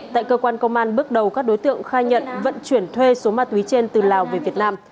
tại cơ quan công an bước đầu các đối tượng khai nhận vận chuyển thuê số ma túy trên từ lào về việt nam